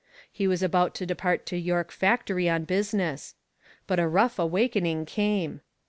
He was about to depart to York Factory on business. But a rough awakening came.